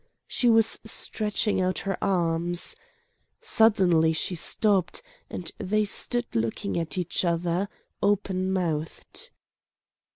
She was stretching out her arms. Suddenly she stopped, and they stood looking at each other, open mouthed.